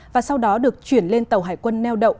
và sau đó được chuyển lên tàu hải quân neo đậu